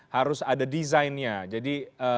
harus ada design nya jadi